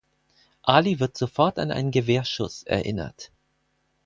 Ali wird sofort an einen Gewehrschuss erinnert.